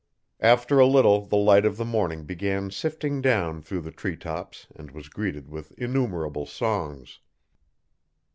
After a little the light of the morning began sifting down through the tree tops and was greeted with innumerable songs.